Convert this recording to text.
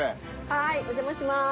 はいお邪魔しまーす。